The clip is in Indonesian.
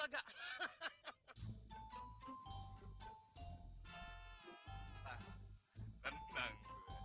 setah dan bilang